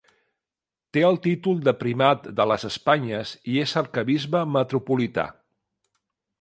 Té el títol de Primat de les Espanyes i és arquebisbe metropolità.